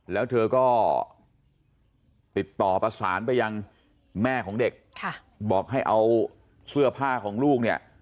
แล้วเธอก็ติดต่อประสานไปยังแม่ของเด็กบอกให้เอาเสื้อผ้าของลูกเนี่ย